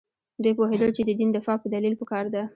دوی پوهېدل چې د دین دفاع په دلیل پکار ده.